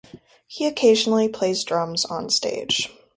He occasionally played drums onstage.